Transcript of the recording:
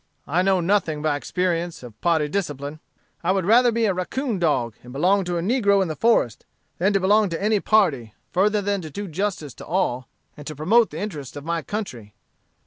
"I know nothing, by experience, of party discipline. I would rather be a raccoon dog, and belong to a negro in the forest, than to belong to any party, further than to do justice to all, and to promote the interests of my country.